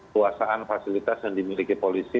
kuasaan fasilitas yang dimiliki polisi